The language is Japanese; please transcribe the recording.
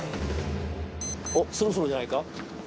おっそろそろじゃないか？